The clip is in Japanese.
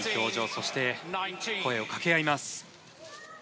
そして、声をかけ合います。